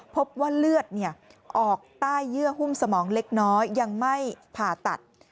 พบว่าเลือดออกใต้เยื่อหุ้มสมองเล็กน้อยยังไม่ผ่าตัด